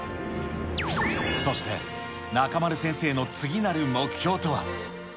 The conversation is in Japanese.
そして、中丸先生の次なる目標とは。